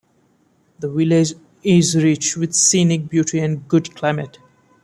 The Village is rich with scenic beauty and good climate.